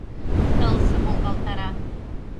Тылзе волгалтара.